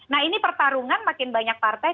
nah ini pertarungan makin banyak partai